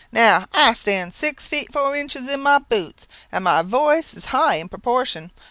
Now I stand six feet four inches in my boots, and my voice is high in proportion.